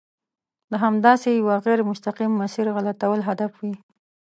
د همداسې یوه غیر مستقیم مسیر غلطول هدف وي.